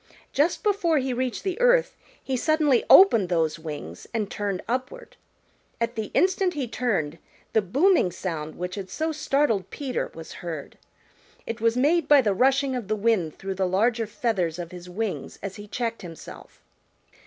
Just before he reached the earth he suddenly opened those wings and turned upward. At the instant he turned, the booming sound which had so startled Peter was heard. It was made by the rushing of the wind through the larger feathers of his wings as he checked himself.